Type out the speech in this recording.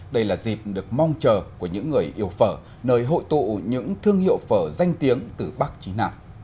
đây là dịp được mong chờ của những người yêu phở nơi hội tụ những thương hiệu phở danh tiếng từ bắc chí nam